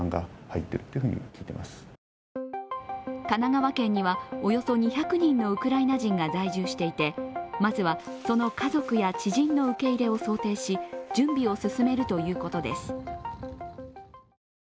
神奈川県には、およそ２００人のウクライナ人が在住していて、まずはその家族や知人の受け入れを想定し準備を進めるということです。